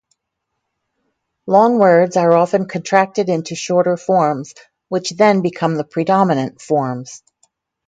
Long words are often contracted into shorter forms, which then become the predominant forms.